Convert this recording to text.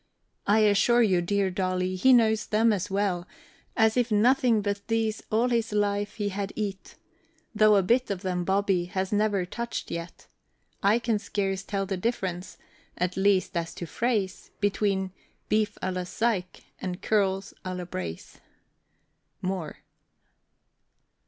I assure you, dear Dolly, he knows them as well As if nothing but these all his life he had eat, Though a bit of them Bobby has never touched yet. I can scarce tell the difference, at least as to phrase, Between beef à la Psyché and curls à la braise. MOORE.